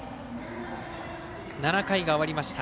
７回が終わりました。